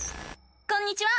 こんにちは！